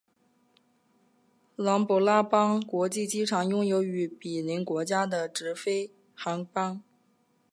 琅勃拉邦国际机场拥有与毗邻国家的直飞航班。